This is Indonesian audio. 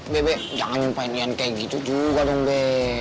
bebek jangan panjian kayak gitu juga dong be